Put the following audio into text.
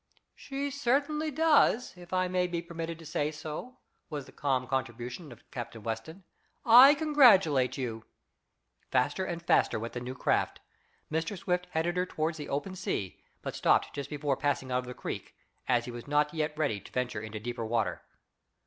"She certainly does, if I may be permitted to say so," was the calm contribution of Captain Weston. "I congratulate you." Faster and faster went the new craft. Mr. Swift headed her toward the open sea, but stopped just before passing out of the creek, as he was not yet ready to venture into deep water.